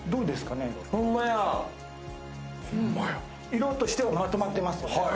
色としてはまとまってますよね。